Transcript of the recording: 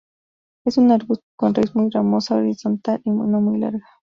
Es un arbusto con la raíz muy ramosa, horizontal y no muy larga.